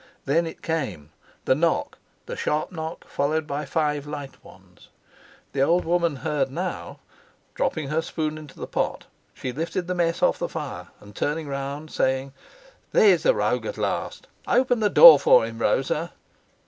Then it came the knock, the sharp knock followed by five light ones. The old woman heard now: dropping her spoon into the pot, she lifted the mess off the fire and turned round, saying: "There's the rogue at last! Open the door for him, Rosa."